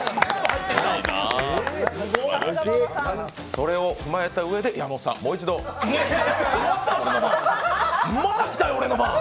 それを踏まえたうえで山本さん、もう一度。また来たよ、俺の番！